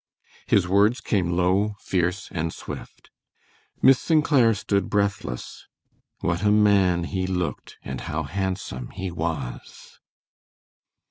His words came low, fierce, and swift. Miss St. Clair stood breathless. What a man he looked and how handsome he was!